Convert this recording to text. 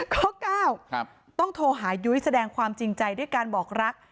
ข้อ๙ต้องโทรหายุ้ยแสดงความจริงใจด้วยการบอกรัก